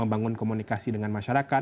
membangun komunikasi dengan masyarakat